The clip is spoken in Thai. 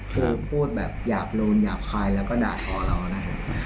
คือพูดแบบหยาบลูนหยาบคายแล้วก็ด่าทอเรานะครับ